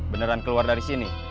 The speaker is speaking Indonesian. beneran keluar dari sini